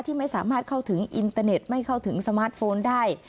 ไม่สามารถเข้าถึงอินเตอร์เน็ตไม่เข้าถึงสมาร์ทโฟนได้